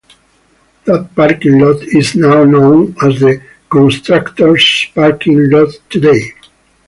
That parking lot is now known as the Contractors' parking lot today.